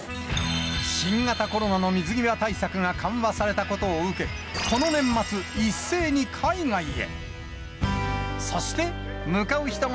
新型コロナの水際対策が緩和されたことを受け、この年末、一斉に海外へ。